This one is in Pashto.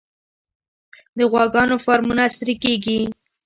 د غواګانو فارمونه عصري کیږي